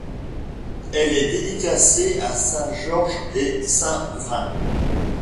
Elle est dédicacée à Saint-Georges et Saint-Vrain.